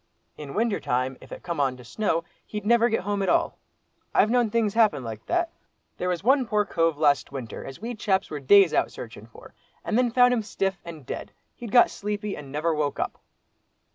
In winter time, if it come on to snow, he'd never get home at all. I've known things happen like that. There was one poor cove last winter, as we chaps were days out searchin' for, and then found him stiff, and dead—he'd got sleepy, and never woke up!"